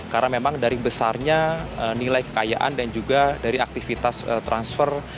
karena memang dari besarnya nilai kekayaan dan juga dari aktivitas transfer